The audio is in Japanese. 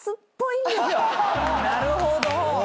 なるほど。